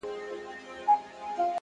هره ناکامي د نوې هڅې پیغام دی!